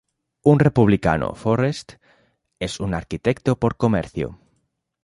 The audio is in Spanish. Un Republicano, Forest es un arquitecto por comercio.